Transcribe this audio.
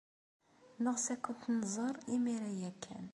Neɣs ad kent-nẓer imir-a ya kan.